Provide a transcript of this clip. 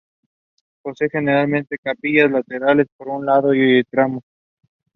The Romanesque limestone font was imported from Gotland.